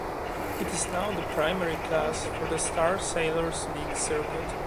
It is now the primary class for the Star Sailors League circuit.